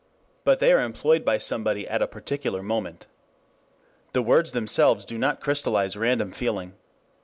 But they are employed by somebody at a particular moment. The words themselves do not crystallize random feeling.